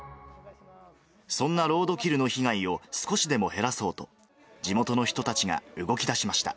そんなロードキルの被害を少しでも減らそうと、地元の人たちが動きだしました。